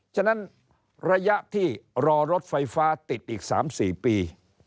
ฉะนั้นระยะที่รอรถไฟฟ้าติดอีก๓๔ปี